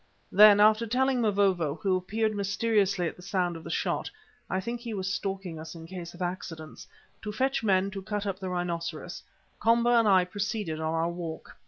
Then after telling Mavovo, who appeared mysteriously at the sound of the shot I think he was stalking us in case of accidents to fetch men to cut up the rhinoceros, Komba and I proceeded on our walk.